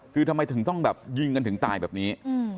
คือทำไมถึงต้องแบบยิงกันถึงตายแบบนี้